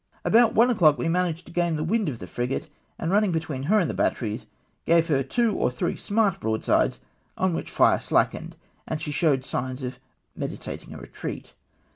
About one o'clock we mana2:ed to gain the wind of the frigate, and running between her and the batteries, gave her two or three smart broadsides, on which her fire slackened, and she showed signs of meditating a retreat.